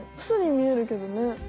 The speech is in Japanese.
巣に見えるけどね。